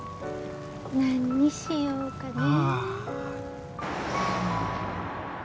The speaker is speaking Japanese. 何にしようかねえ